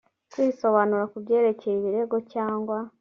kwisobanura ku byerekeye ibirego cyangwa